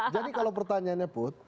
jadi kalau pertanyaannya put